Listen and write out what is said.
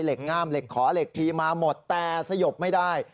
ง่ามเหล็กขอเหล็กพีมาหมดแต่สยบไม่ได้